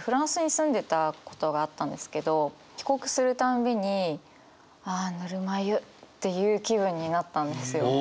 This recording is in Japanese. フランスに住んでたことがあったんですけど帰国するたんびにああぬるま湯っていう気分になったんですよ。